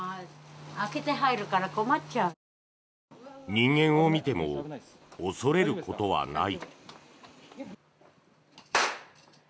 人間を見ても恐れることはない。